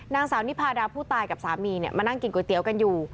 นางสาวนิพาดาผู้ตายกับสามีมานั่งกินก๋วยเตี๋ยวกันอยู่